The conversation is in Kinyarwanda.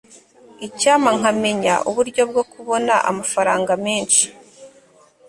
icyampa nkamenya uburyo bwo kubona amafaranga menshi